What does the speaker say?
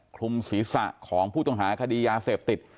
คลุมศีรษะของผู้ต้องหาคดียาเสพติด